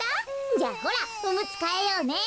じゃあほらおむつかえようね。